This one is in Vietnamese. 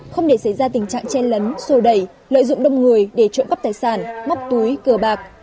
không để xảy ra tình trạng chen lấn sô đẩy lợi dụng đông người để trộm cắp tài sản móc túi cờ bạc